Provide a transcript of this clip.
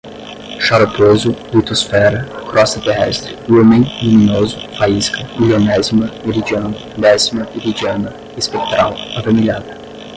xaroposo, litosfera, crosta terrestre, lúmen, luminoso, faísca, milionésima, meridiano, décima, iridiada, espectral, avermelhada